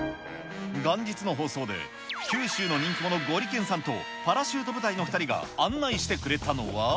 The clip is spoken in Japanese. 元日の放送で、九州の人気者、ゴリけんさんとパラシュート部隊の２人が、案内してくれたのは。